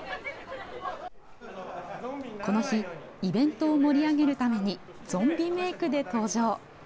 この日、イベントを盛り上げるためにゾンビメークで登場。